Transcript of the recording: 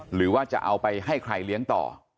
หรือว่าจะเอาไปให้ใครเลี้ยงต่อ